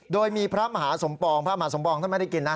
โดยมีพระมหาสมปองพระมหาสมปองท่านไม่ได้กินนะ